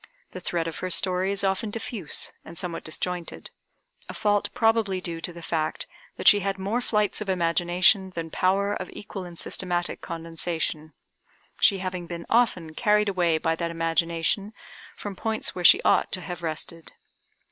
The thread of her story is often diffuse and somewhat disjointed, a fault probably due to the fact that she had more flights of imagination than power of equal and systematic condensation: she having been often carried away by that imagination from points where she ought to have rested.